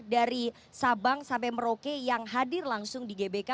dari sabang sampai merauke yang hadir langsung di gbk